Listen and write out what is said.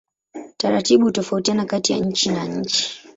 Taratibu hutofautiana kati ya nchi na nchi.